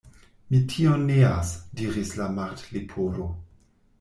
"Mi tion neas," diris la Martleporo.